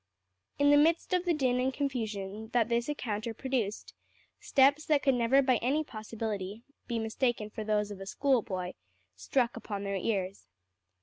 In the midst of the din and confusion that this encounter produced, steps that could never by any possibility be mistaken for those of a schoolboy struck upon their ears.